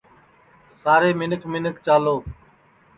سارے منکھ منکھ چالو